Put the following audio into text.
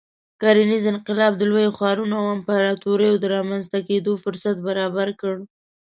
کرنیز انقلاب د لویو ښارونو او امپراتوریو د رامنځته کېدو فرصت برابر کړ.